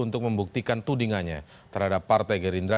untuk membuktikan tudingannya terhadap partai gerindra